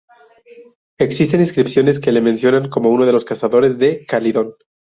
Existen inscripciones que le mencionan como uno de los cazadores de Calidón.